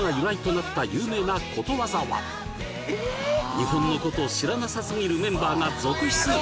日本のことを知らなさすぎるメンバーが続出！